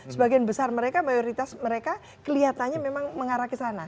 sebagian besar mereka mayoritas mereka kelihatannya memang mengarah ke sana